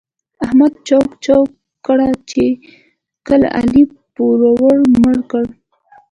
احمد چوک چوکه کړه چې علي پوروړو مړ کړ.